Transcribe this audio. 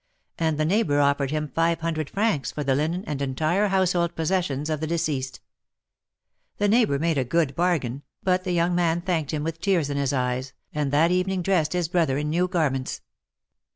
And the neighbor offered him five hundred francs for the linen and entire household possessions of the deceased. The neighbor made a good bargain, but the THE MARKETS OF PARIS. 61 young man thanked him with tears in his eyes, and that very evening dressed his brother in new garments.